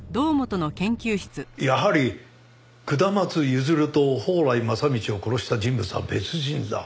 やはり下松譲と宝来正道を殺した人物は別人だ。